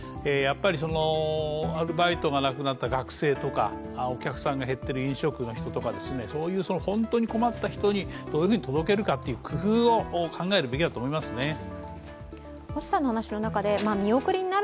やっぱりアルバイトがなくなった学生とかお客さんが減っている飲食の人とか、本当に困った人にどういうふうに届けるかっていう工夫を考えるべきだと思いますね。